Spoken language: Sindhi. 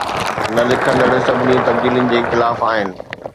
نه لکندڙ سڀئي تبديلين جي خلاف آهن